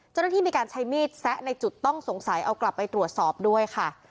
เจ้าหน้าที่มีการใช้มีดแซะในจุดต้องสงสัยเอากลับไปตรวจสอบด้วยค่ะ